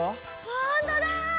ほんとだ！